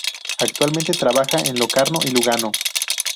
Actualmente trabaja en Locarno y Lugano.